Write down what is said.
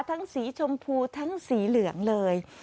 สีชมพูทั้งสีเหลืองเลย